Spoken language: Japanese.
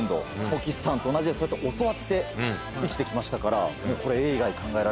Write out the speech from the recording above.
もう岸さんと同じでそうやって教わって生きて来ましたからもうこれ。